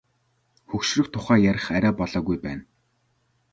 Хөгшрөх тухай ярих арай болоогүй байна.